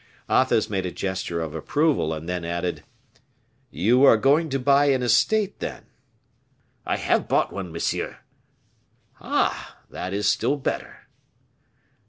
Athos made a gesture of approval, and then added: "You are going to buy an estate, then?" "I have bought one, monsieur." "Ah! that is still better."